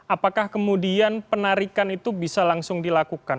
apakah kemudian penarikan itu bisa langsung dilakukan